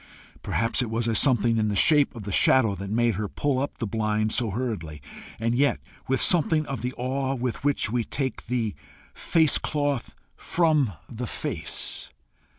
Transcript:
Perhaps it was something in the shape of the shadow that made her pull up the blind so hurriedly, and yet with something of the awe with which we take "the face cloth from the face."